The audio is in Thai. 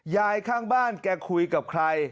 ข้างบ้านแกคุยกับใคร